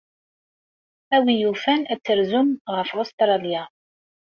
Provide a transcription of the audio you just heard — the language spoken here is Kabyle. A win yufan ad terzum ɣef Ustṛalya.